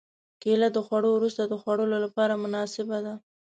کېله د خوړو وروسته د خوړلو لپاره مناسبه ده.